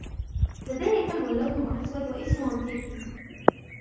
لدي كلب لونه أسود واسمه تيكي.